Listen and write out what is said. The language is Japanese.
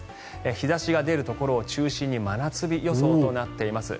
日差しが出るところを中心に真夏日予想となっています。